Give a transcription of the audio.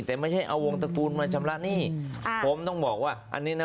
แต่ไม่ใช่เอาวงตระกูลมาชำระหนี้ค่ะผมต้องบอกว่าอันนี้นะ